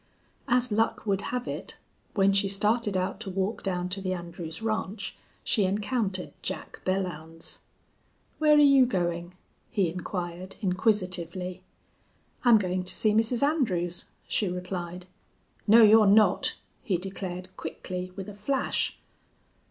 As luck would have it, when she started out to walk down to the Andrews ranch she encountered Jack Belllounds. "Where are you going?" he inquired, inquisitively. "I'm going to see Mrs. Andrews," she replied. "No, you're not!" he declared, quickly, with a flash.